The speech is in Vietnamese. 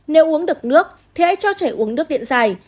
nếu uống được nước thì hãy cho trẻ uống nước điện dài